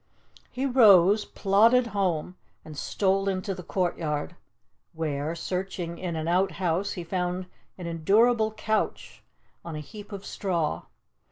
He rose, plodded home, and stole into the courtyard, where, searching in an outhouse, he found an endurable couch on a heap of straw.